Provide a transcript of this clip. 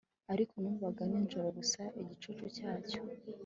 Ariko numvaga nijoro gusa igicucu cyacyo